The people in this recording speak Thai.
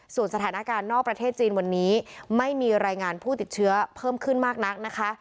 ส่วนสถานการณ์นอกประเทศจีนวันนี้ไม่มีรายงานผู้ติดเชื้อเพิ่มขึ้นมากนักนะคะ